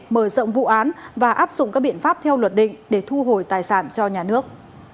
mở rộng vụ án và áp dụng các biện pháp theo luật định để thu hồi tài sản cho nhà nước